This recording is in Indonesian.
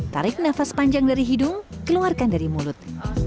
tarik nafas panjang dari hidung keluarkan dari mulut